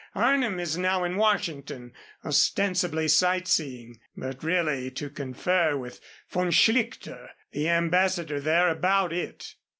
Arnim is now in Washington, ostensibly sight seeing, but really to confer with Von Schlichter, the ambassador there, about it.